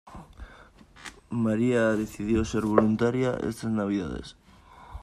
Maria decidió ser voluntaria estas navidades.